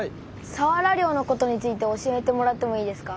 さわら漁のことについて教えてもらってもいいですか？